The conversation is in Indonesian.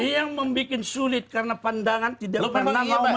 yang membuat sulit karena pandangan tidak pernah menerima